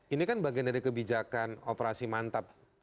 ini kan bagian dari kebijakan operasi mantap